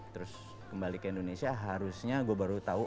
terus kembali ke indonesia harusnya gue baru tahu